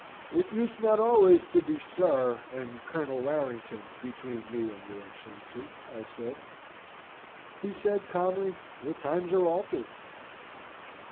"'It used not always to be Sir and Colonel Warrington, between me and your Excellency,' I said. "He said, calmly, 'The times are altered.'